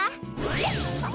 えっ？